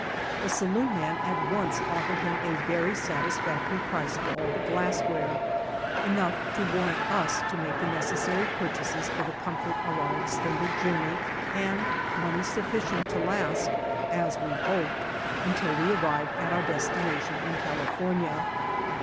The saloon man at once offered him a very satisfactory price for all the glassware, enough to warrant us to make the necessary purchases for the comfort of our extended journe}^, and money sufficient to last, as we hoped, until we arrived at our destination in Cal ifornia.